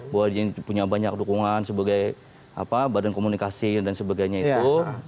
bahwa dia punya banyak dukungan sebagai badan komunikasi dan sebagainya itu